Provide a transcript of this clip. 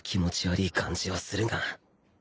悪ぃ感じはするが